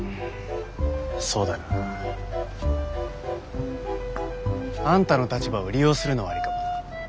そうだな。あんたの立場を利用するのはアリかもな。